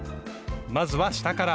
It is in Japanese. まずは下から。